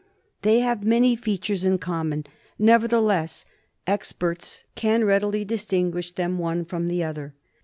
They have many fea tures in common; never theless experts can readi ly distinguish them one from the other.